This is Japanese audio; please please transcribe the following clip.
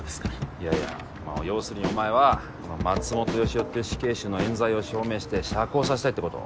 いやいやまあ要するにお前はその松本良夫っていう死刑囚のえん罪を証明して釈放さしたいってこと？